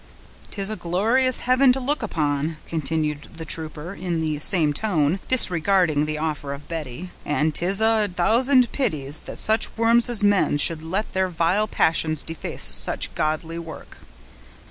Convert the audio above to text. "'Tis a glorious heaven to look upon," continued the trooper, in the same tone, disregarding the offer of Betty, "and 'tis a thousand pities that such worms as men should let their vile passions deface such goodly work."